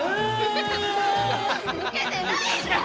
ウケてないじゃん！